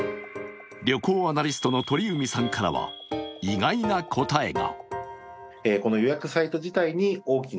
旅行アナリストの鳥海さんからは意外な答えが。